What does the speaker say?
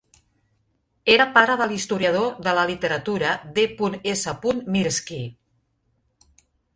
Era pare de l'historiador de la literatura D. S. Mirsky.